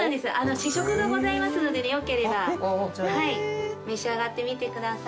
試食がございますのでよければ召し上がってみてください。